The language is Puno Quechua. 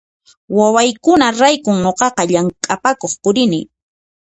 Wawaykunaraykun nuqaqa llamk'apakuq purini